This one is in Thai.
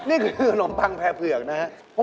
นี่คือขนมปังแพรเผือกนะครับ